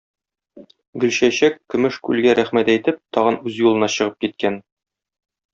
Гөлчәчәк, көмеш күлгә рәхмәт әйтеп, тагын үз юлына чыгып киткән.